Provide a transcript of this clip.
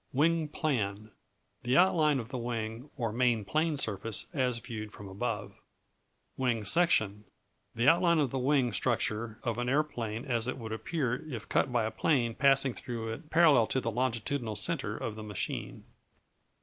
Wing Plan The outline of the wing or main plane surface as viewed from above. Wing Section The outline of the wing structure of an aeroplane as it would appear if cut by a plane passing through it parallel to the longitudinal centre of the machine.